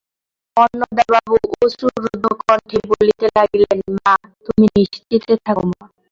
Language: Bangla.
অন্নদাবাবু অশ্রুরুদ্ধ কণ্ঠে বলিতে লাগিলেন, মা, তুমি নিশ্চিন্ত থাকো মা!